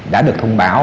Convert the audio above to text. đã được thông báo